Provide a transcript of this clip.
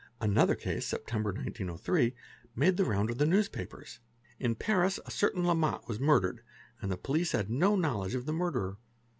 ;: Another case (September 1903) made the round of the newspapers. | In Paris a certain Lemot was murdered and the police had no knowledge of the murderer.